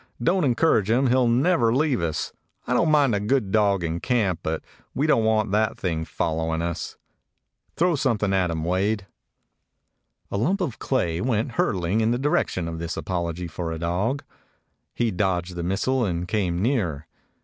Don't encourage him; he 'll never leave us. I don't mind a good dog in camp, but we don't want that thing following us. Throw something at him, Wade." A lump of clay went hurtling in the direc tion of this apology for a dog. He dodged the missile and came nearer.